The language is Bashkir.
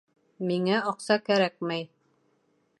Миңә аҡса кәрәкмәй.